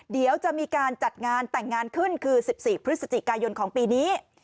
เดี๋ยวจะมีการจัดงานแต่งงานขึ้นคือ๑๔พฤศจิกายนของปีนี้